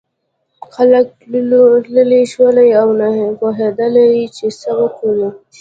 خلک تلولي شول او نه پوهېدل چې څه وکړي.